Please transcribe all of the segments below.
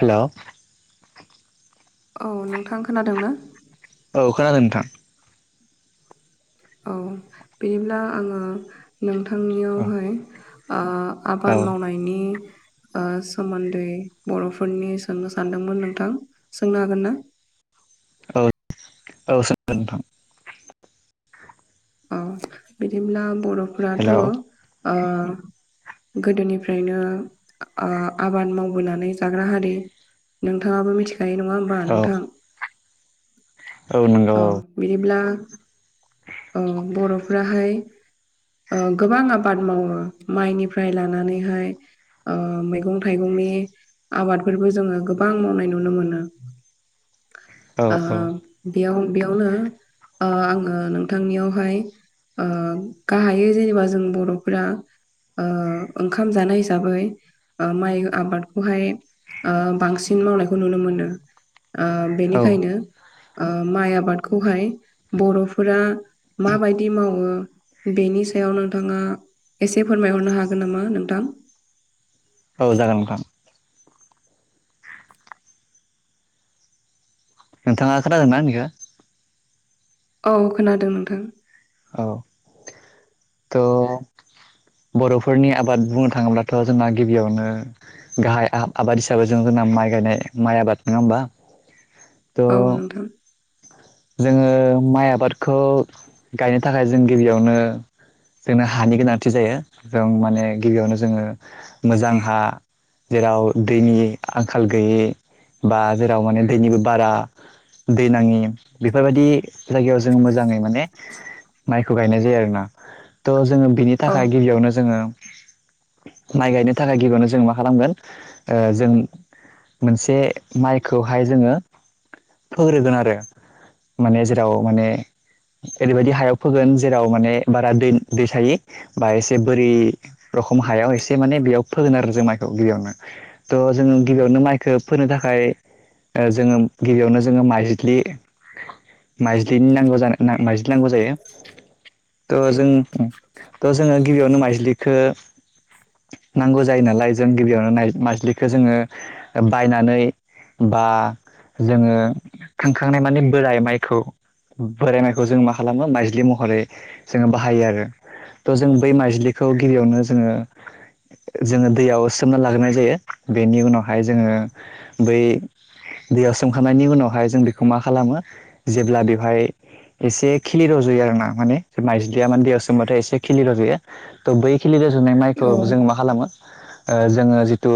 Hello? औ नोंथां खोनादों ना? औ खोनादों नोंथां। औ बिदिब्ला आङो औ नोंथांनियावहाय ओ औ आबाद मावनायनि ओ सोमोन्दै बर'फोरनि सोंनो सानदोंमोन नोंथां, सोंनो हागोन ना? औ औ सोंदो नोंथां। औ बिदिब्ला बर'फोराथ' हेलौ ओ गोदोनिफ्रायनो आबाद मावबोनानै जाग्रा हारि नोंथाङाबो मिथिखायो नङा होमबा औ नोंथां? औ नंगौ औ। बिदिब्ला ओ बर'फ्राहाय ओ गोबां आबाद मावो माइनिफ्राय लानानैहाय ओ मैगं थाइगंनि आबादफोरबो जोङो गोबां मावनाय नुनो मोनो। औ ओ औ बेयाव बेयावनो ओ आङो नोंथांनियावहाय ओ गाहायो जेनेबा जों बर'फोरा ओ ओंखाम जानाय हिसाबै ओ माइ आबादखौहाय ओ बांसिन मावनायखौ नुनो मोनो। ओ औ बेनिखायनो ओ माइ आबादखौहाय बर'फोरा माबायदि मावो बेनि सायाव नोंथाङा एसे फोरमायहरनो हागोन नामा नोंथां? औ जागोन नोंथां। नोंथाङा खोनादोंना आंनिखौ? औ खोनादों नोंथां। औ त' बर'फोरनि आबाद बुंनो थाङोब्लाथ' जोंना गिबियावनो गाहाय आबाद हिसाबै जों जोंना माइ गायनाय माइ आबाद नङा होमबा? औ नोंथां। जोङो माइ आबादखौ गायनो थाखाय जों गिबियावनो जोंनो हानि गोनांथि जायो जों माने गिबियावनो जोङो मोजां हा जेराव दैनि आंखाल गैयि बा जेराव माने दैनिबो बारा दैनाङि बेफोरबायदि जायगायाव जों मोजाङै माने माइखौ गायनाय जायो आरोना ट' जोङो बिनि औ थाखाय गिबियावनो जोङो माइ गायनो थाखाय गिबियावनो जों मा खालामगोन ओ जों मोनसे माइखौहाय जोङो फोग्रोगोन आरो माने जेराव माने ओरैबायदि हायाव फोगोन जेराव माने बारा दै दै थायि बा एसे बोरि रखम हायाव एसे माने बेयाव फोगोन आरो जों माइखौ गिबियावनो। त'जोङो गिबियावनो माइखौ फोनो थाखाय ओ जोङो गिबियावनो जोङो माइज्लि माइज्लिनि नांगौ जानो ना माइज्लि नांगौ जायो त' जों ओ त' जोङो गिबियावनो माइज्लिखो नांगौ जायो नालाय जों गिबियावनो नाय मायज्लिखो जोङो ओ बायनानै बा जोङो थांखांनाय माने बोराइ माइखौ बोराइ माइखौ जों मा खालामो माइज्लि महरै जोङो बाहायो आरो। त' जों बै माइज्लिखौ गिबियावनो जोङो ओ जोङो दैयाव सोमना लाग्रोनाय जायो बेनि उनावहाय जोङो बै दैयाव सोमखांनायनि उनावहाय जों बेखौ मा खालामो जेब्ला बेवहाय एसे खिलि रज'यो आरो ना माने माइज्लिया माने दैयाव सोमबाथाय एसे खिलि रज'यो थ' बै खिलि रज'नाय माइखौ औ जों मा खालामो ओ जोङो जिथु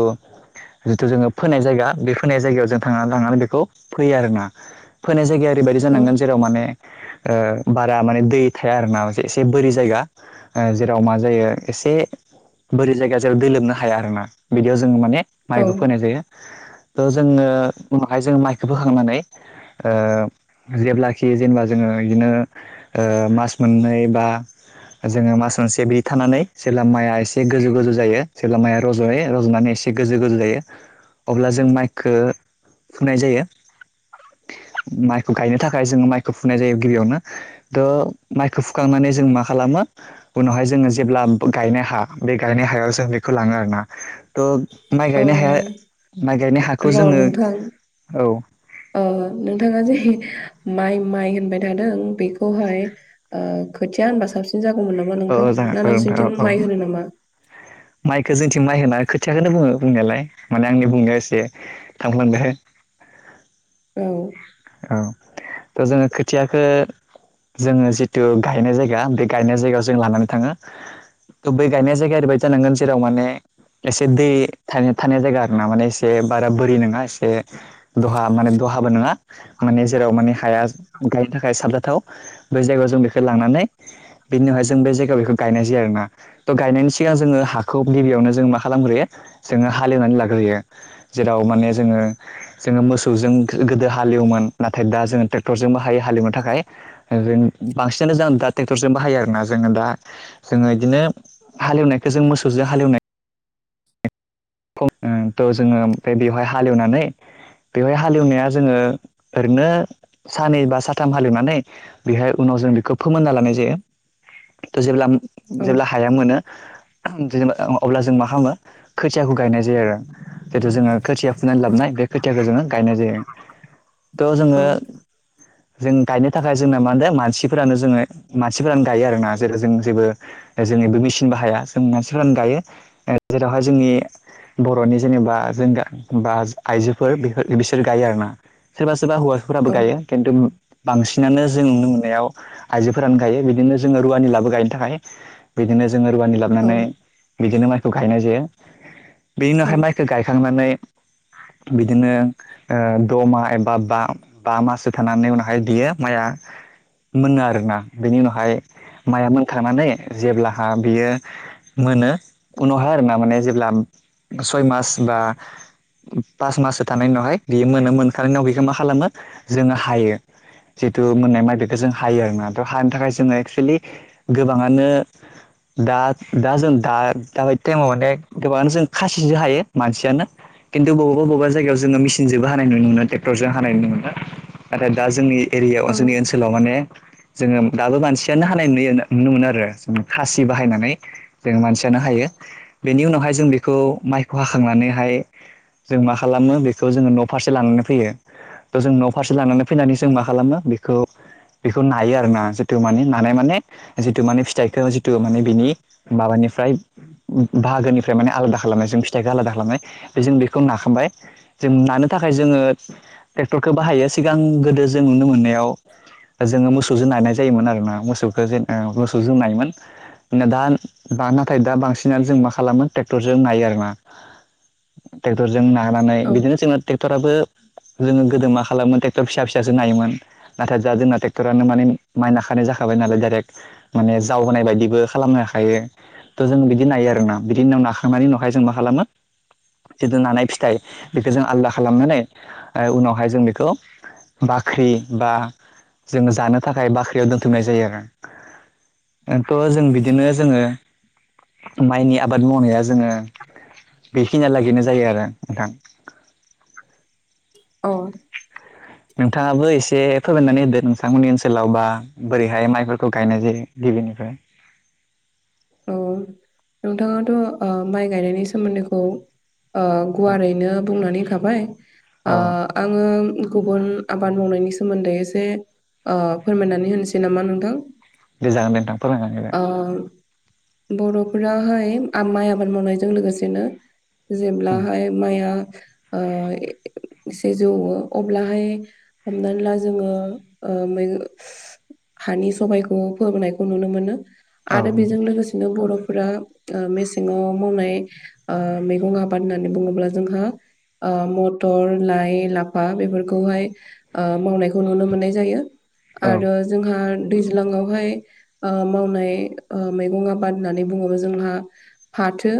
जिथु जोङो फोनाय जायगा बे फोनाय जायगायाव जों थांना थांनानै बेखौ फैयो आरो ना फोनाय जायगाया ओरैबायदि औ जानांगोन जेराव माने ओ बारा माने दै थाया आरो ना एसे एसे बोरि जायगा ओ जेराव मा जायो एसे बोरै जायगा जेर दै लोबनो हाया आरो ना बिदियाव जोङो माने औ माइखौ फोनाय जायो त' जोङो ओ माखाय जोङो माइखौ फोखांनानै ओ जेब्लाखि जेनेबा जोङो बिदिनो ओ मास मोननै बा जोङो मास मोनसे बि थानानै जेब्ला माइआ एसे गोजौ गोजौ जायो जेब्ला माइया रज'यो रज'नानै एस से गोजौ गोजौ जायो अब्ला जों माइखो फुनाय जायो। माइखौ गायनो थाखाय जोङो माइखौ फुनाय जायो गिबियावनो। थ' माइखौ फुखांनानै जों मा खालामो उनावहाय जोङो जेब्ला गायनायहा बे गायनाय हायाव जों बेखौ लाङो आरोना। थ' माइ औ गायनाय हाया माइ गायनाय हाखौ र' जोङो नोंथां औ। ओ नोंथाङा जे माइ माइ होनबाय थादों बेखौहाय ओ खोथिया होनबा साबसिन जागौमोन नामा औ नोंथां ना जागोन औ नोंथां औ नोंसिरनिथिं औ माइ होनो नामा? माइखौ जोंथिं माइ होना खोथियाखौनो बुङो बुंनायालाय माने आंनि बुंनायाव एसे थांफ्लांदो। औ। औ थ' जोङो खोथियाखो जोङो जिथु गायनाय जायगा बे गायनाय जायगायाव जों लानानै थाङो। थ बै गायनाय जायगाया ओरैबायदि जानांगोन जेराव माने एसे दै थानो थानाय जायगा आरो ना माने एसे बारा बोरि नङा एसे दहा माने दहाबो नङा माने जेराव माने हाया गायनो थाखाय साबजाथाव बै जायगायाव जों बेखो लानानै बेनि उनावहाय जों बेै जायगायाव बेखौ गायनाय जायो आरो ना थ' गायनायनि सिगां जोङो हाखौ गिबियावनो जों मा खालामग्रोयो जोङो हालेवनानै लाग्रोयो। जेराव माने जोङो जोङो मोसौजों गोद गोदो हालेवोमोन नाथाय दा जोङो ट्रेक्टरजोंबो हायो हालेवनो थाखाय। ओरैन बांसिनानो जों दा ट्रेक्टरजों बाहायो आरोना जोङो दा जोङो बिदिनो हालेवनायखौ जों मोसौजों हालेवनाय [unintelligible] थ' जोङो ओमफ्राय बेवहाय हालेवनानै बेवहाय हालेवनाया जोङो ओरैनो सानै बा साथाम हालिवनानै बेहाय उनाव जों बेखौ फोमोनना लानाय जायो। थ' जेब्ला औ जेब्ला हाया मोनो [unintelligible] अब्ला जों मा खालामो खिथियाखौ गायनाय जायो आरो जिथु जोङो खोथिया फुनानै लाबोन बे खोथियाखौ जोङो गायनाय जायो थ' औ जोङो जों गायनो थाखाय जोंना मा होनदों मानसिफोरानो जोङो मानसिफोरानो गायो आरो ना जे जों जेबो जोंनिबो मेसिन बाहाया जों मानसिफोरानो गायो। ओ जेरावहाय जोंनि बर'नि जेनेबा जों गा बा आइजोफोर बेफोर बिसोर गायो आरोना। सोरबा सोरबा हौवाफोराबो औ गायो खिन्थु बांसिनानो जों नुनो मोननायाव आइजोफोरानो गायो बिदिनो जोङो रुवानि लाबो गायनो थाखाय। बिदिनो जोङो रुवानि औ लाबोनानै बिदिनो माइखौ गायनाय जायो। बेनि उनावहाय माइखौ गायखांनानै बिदिनो ओ द' मा एबा बा बा मासो थानानै उनावहाय बियो माइया मोनो आरोना बेनि उनावहाय माइया मोनखांनानै जेब्लाहा बियो मोनो उनावहाय आरोना माने जेब्ला सय मास बा पास माससो थानाय उनावहाय बियो मोनो मोनखानाय उनाव बेखौ मा खालामो जोङो हायो। जिथु मोननाय माइ बेखौ जों हायो आरोना थ' हानो थाखाय जोङो एक्सुयेलि गोबाङानो दा दा जों दा दाबायदि टाइमाव अनेक गोबाङानो जों खासिजों हायो मानसियानो खिन्थु बबावबा बबावबा जगायाव जोङो मिसिनजोंबो हानाय नुनो मोनो ट्रेक्टरजों हानाय नुनो मोनो। नाथाय दा जोंनि एरियायाव जोंनि ओनसोलाव माने जोङो दाबो मानसियानो हानाय नुयो नुनो मोनो आरो जों खासि बाहायनानै। जों मानसियानो हायो बेनि उनावहाय जों बेखौ माइखौ हाखांनानैहाय जों मा खालामो बेखौ जोङो न' फारसे लांनो फैयो। थ' जों न' फारसे लानानै फैनानै जों मा खालामो बेखौ बेखौ नायो आरो ना जिथु माने नानाय माने जिथु माने फिथाइखौ जिथु माने बिनि माबानिफ्राय बाहागोनिफ्राय माने आलदा खालामनाय जों फिथाइखौ आलादा खालामनाय बेजों बेखौ नाखांबाय जों मानो थाखाय जोङो ट्रेक्टरखौ बाहायो सिगां गोदो जों नुनो मोननायाव जोङो मोसौजों नानाय जायोमोन आरोना मोसौखौ जेन ओ मोसौजों नायोमोन। नो दान बा नाथाय दा बांसिना [unintelligible] जों मा खालामो टेक्टरजों नायो आरोना टेक्टरजों नानानै औ बिदिनो जोङो टेक्टराबो जोङो गोदो मा खालामो टेक्टर फिसा फिसाजों नायोमोन। नाथाय दा जोंना थेक्टरानो माने माइ नाखानाय जाखाबाय नालाय डाइरेक्ट माने जावहोनाय बायदिबो खालामनो हायो थ' जों बिदि नायो [unintelligible] जोंना बिदि उनाव नाखांनानै नावहाय जों मा खालामो जिदु नानाय फिथाइ बेखो जों आलदा खालामनानै ओ उनावहाय जों बेखौ बाख्रि बा जोङो जानो थाखाय बाख्रियाव दोनथुमनाय जायो आरो। थ' जों बिदिनो जोङो माइनि आबाद मावनाया जोङो बेखिनिया लागैनो जायो आरो नोंथां। औ। नोंथाङाबो एसे फोरमायनानै होदो नोंथांमोननि ओनसोलाव बा बोरैहाय माइफोरखौ गायनाय जायो गिबिनिफ्राय। औ नोंथाङाथ' ओ माइ गायनायनि सोमोन्दैखौ ओ औ गुवारैनो बुंनानै होखाबाय औ ओ आंङो गुबुन आबाद मावनायनि सोमोन्दै एसे ओ फोरमायनानै होनोसै नामा नोंथां। दे जागोन नोथां फोरमायनानै होगोन ओ बर'फोराहाय आम माइ आबाद मावनायजों लोगोसेनो उम जेब्लाहाय माइआ ओ एसे जौवो अब्लाहाय हमनानै ला जोङो ओ मै [unintelligible] हानि सबायखौ फोबोनायखौ नुनो मोनो औ आरो नोंथां बेजों लोगो [unintelligible] [unintelligible] बर'फोरा ओ मेसेङाव मावनाय ओ मैगं आबाद होननानै बुङोब्ला जोंहा ओ मटर लाइ- लाफा बेफोरखौहाय ओ मावनायखौ नुनो मोननाय जायो। आरो औ जोंहा दैज्लाङावहाय ओ मावनाय ओ मैगं आब बाद होननानै बुङोबो जोंहा फाथो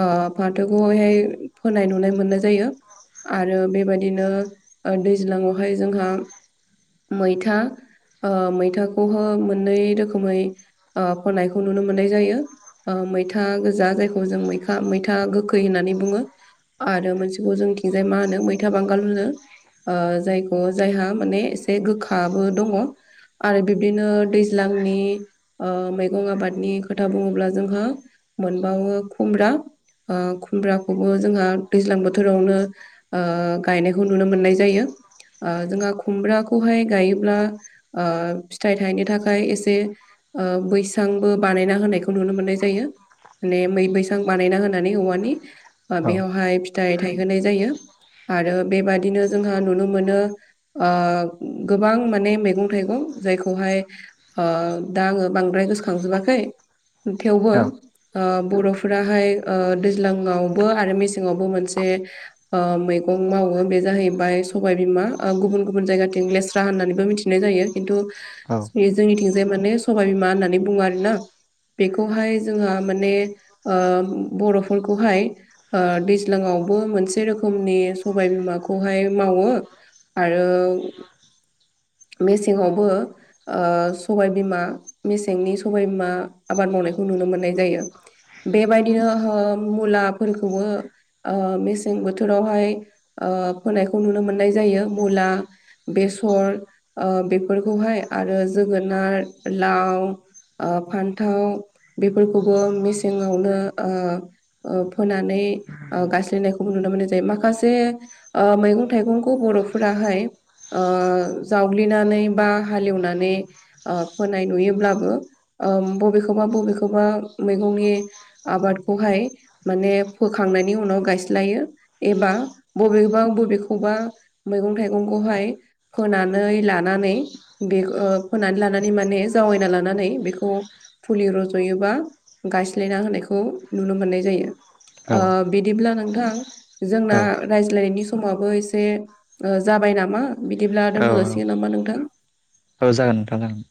ओ फाथोखौहाय फोनाय नुनाय मोननाय जायो। आरो बेबायदिनो ओ दैज्लाङावहाय जोंहा मैथा ओ मैथाखौहो मोननै रोखोमै ओ फोनायखौ नुनो [unintelligible] मोननाय जायो ओ मैथा गोजा जायखौ जों मैथा मैथा गोखै होननानै बुङो। आरो मोनसेखौ जोंथिंजाय मा होनो मैथा बांगाल होनो। ओ जायखौ जायहा माने एसे गोखाबो दङ' आरो बिब्दिनो दैज्लांनि ओ मैगं आबादनि खोथा बुङोब्ला जोंहा मोनबावो खुमब्रा ओ खुमब्राखौबो जोंहा दैज्लां बोथोरावनो ओ गायनायखौ नुनो मोननाय जायो। ओ जोंहा खुमब्राखौहाय गायोब्ला ओ फिथाइ थायनो थाखाय एसे ओ बैसांबोब बानायना होनायखौ नुनो मोननाय जायो ले मै बैसां बानायना होनानै औवानि बा औ बेयावहाय फिथाइ थायहोनाय जायो आरो बेबादिनो जोंहा नुनो मोनो ओ गोबां माने मैगं- थाइगं जायखौहाय ओ दा आङो बांद्राय गोसोखांजोबाखै थेवबो औ ओ बर'फोराहाय ओ दैज्लाङावबो आरो मेसेङावबो मोनसे ओ मैगं मावो बे जाहैबाय सबायबिमा ओ गुबुन गुबुन जायगाथिं लेस्रा होननानैबो मिथिनाय जायो। इन्थु औ [unintelligible] जोंनिथिंजाय माने सबाय बिमा होननानै बुङो आरोना बेखौहाय जोंहा माने ओम बर'फोरखौहाय ओ दैज्लाङावबो मोनसे रोखोमनि सबाय बिमाखौहाय मावो आरो मेसेंङावबो ओ सबायबिमा मेसेंनि सबाइबिमा आबाद मावनायखौ नुनो मोननाय जायो बेबायदिनो हो मुलाफोरखौबो ओ मेसें बोथोरावहाय ओ फोनायखौ नुनो मोननाय जायो मुला बेसर ओ बेफोरखौहाय आरो जोगोनार लाव ओ फान्थाव बेफोरखौबो मेसेङावनो ओ ओ फोनानै गायसलायनायखौबो नुनो मोननाय जायो माखासे ओ मैगं थाइगंखौ बर'फोराहाय ओ जावग्लिनानै बा हालेवनानै ओ फोनाय नुयोब्लाबो ओम बबेखोबा बबेखोबा मैगंनि आबादखौहाय माने फोखांनायनि उनाव गायस्लायो एबा बबेबा बबेखौबा मैगं थाइगंखौहाय फोनान नै लानानै बे [unintelligible] ओ फोनानै लानानै माने जावायना लानानै बेखौ फुलि रज'योबा गायस्लायना होनायखौ नुनो मोननाय जायो। ओ बिदिब्ला नोंथां औ जोंना रायज्लायनायनि समाबो एसे ओ जाबाय नामा बिदिब्ला औ दोनथ' जाासिगोन नामा नोंथां? औ जागोन नोंथां जागोन।